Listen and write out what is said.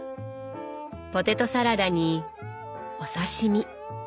ポテトサラダにお刺身。